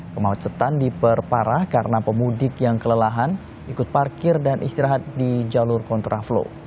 kemacetan diperparah karena pemudik yang kelelahan ikut parkir dan istirahat di jalur kontraflow